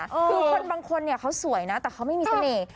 คือคนบางคนเนี่ยเขาสวยนะแต่เขาไม่มีเสน่ห์